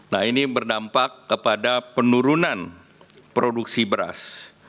nah ini berdampak kepada penurunan produksi beras